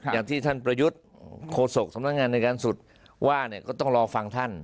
อย่างที่ท่านประยุทธ์โฆษกสำนักงานในการสุดว่าเนี่ยก็ต้องรอฟังท่าน